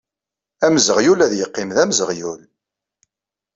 Amzeɣyul ad yeqqim d amzeɣyul!